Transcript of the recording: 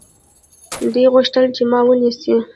دوی غوښتل چې ما ونیسي.